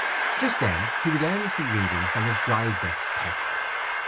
Just then he was earnestly reading from his Griesbach's text.